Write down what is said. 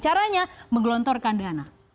caranya menggelontorkan dana